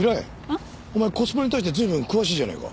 ん？お前コスプレに対して随分詳しいじゃないか。